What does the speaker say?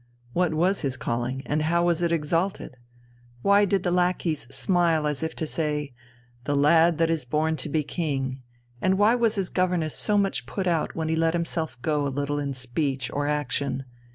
What was his calling, and how was it exalted? Why did the lackeys smile as if to say, "The lad that is born to be king," and why was his governess so much put out when he let himself go a little in speech or action?